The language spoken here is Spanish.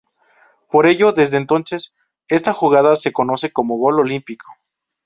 Por ello desde entonces esta jugada se conoce como "gol olímpico".